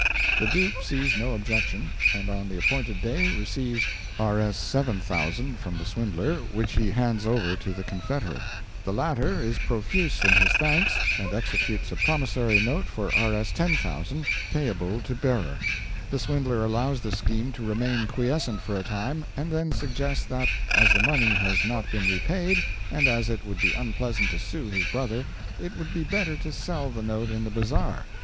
The dupe sees no objection, and on the appointed day receives Rs.7,000 from the swindler, which he hands over to the confederate. The latter is profuse in his thanks, and executes a promissory note for Rs.10,000, payable to bearer. The swindler allows the scheme to remain quiescent for a time, and then suggests that, as the money has not been repaid and as it would be unpleasant to sue his brother, it would be better to sell the note in the bazaar.